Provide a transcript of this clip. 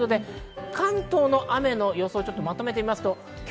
関東の雨の予想をまとめています。